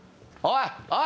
おい！